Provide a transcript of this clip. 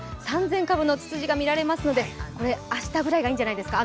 ３０００株のつつじが見られますので、明日ぐらいがいいんじゃないですか。